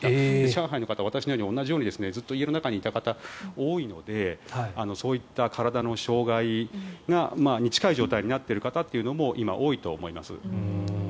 上海の方、私と同じようにずっと家にいた方が多いのでそういった体の障害に近い状態になっている方というのが今は多いと思います。